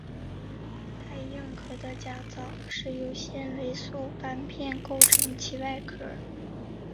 带硬壳的甲藻是由纤维素板片构成其外壳。